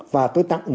và tôi tặng